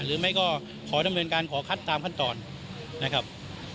หรือไม่ก็ขอดำเนินการขอคัดตามขั้นตอนนะครับ